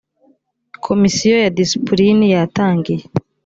komisiyo ya disipulini yatangiye